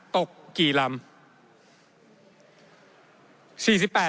ตกกี่ลำ